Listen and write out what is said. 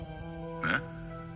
えっ？